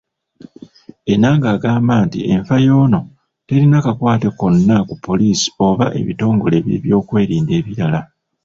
Enanga agamba nti enfa yono terina kakwate konna ku poliisi oba ebitongole ebyebyokwerinda ebirala.